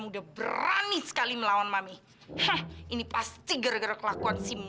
rio lansikan diri sendiri